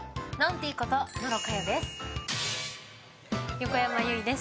横山由依です。